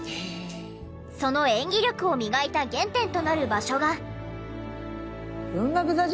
その演技力を磨いた原点となる場所が。